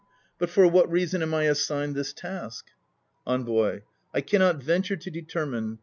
But for what reason am I assigned this task? ENVOY. I cannot venture to determine.